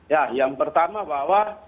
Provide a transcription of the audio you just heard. ya yang pertama bahwa